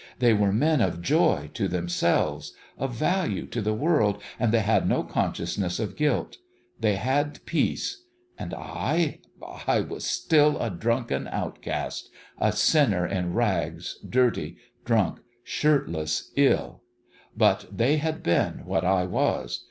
They were men of joy to them selves of value to the world. ... And they had no consciousness of guilt. They had peace. ... And I I was still a drunken outcast a sinner in rags, dirty, drunk, shirtless, ill. ... But they had been what I was.